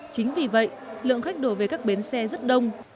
chính vì vậy lượng khách đổ về các bến xe rất đông